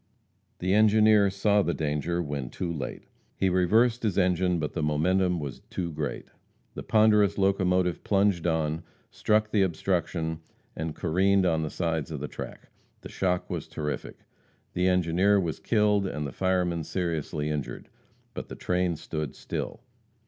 The engineer saw the danger when too late. He reversed his engine, but the momentum was too great. The ponderous locomotive plunged on, struck the obstruction, and careened on the side of the track. The shock was terrific. The engineer was killed and the fireman seriously injured. But the train stood still.